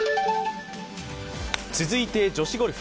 続いて女子ゴルフ。